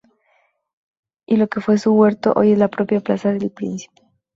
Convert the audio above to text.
Y lo que fue su huerto, hoy es la propia Plaza del Príncipe.